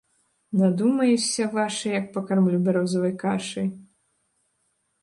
Надумаешся, ваша, як пакармлю бярозавай кашай.